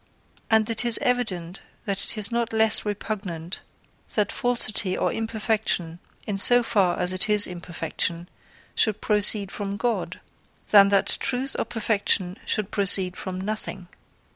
And it is evident that it is not less repugnant that falsity or imperfection, in so far as it is imperfection, should proceed from God, than that truth or perfection should proceed from nothing.